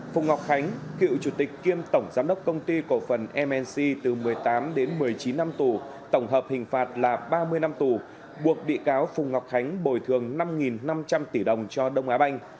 phùng ngọc khánh cựu chủ tịch kiêm tổng giám đốc công ty cổ phần mc từ một mươi tám đến một mươi chín năm tù tổng hợp hình phạt là ba mươi năm tù buộc bị cáo phùng ngọc khánh bồi thường năm năm trăm linh tỷ đồng cho đông á banh